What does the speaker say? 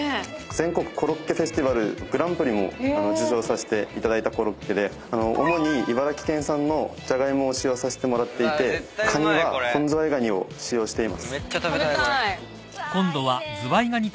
全国コロッケフェスティバルグランプリも受賞させていただいたコロッケで主に茨城県産のじゃがいもを使用させてもらっていてカニは本ズワイガニを使用しています。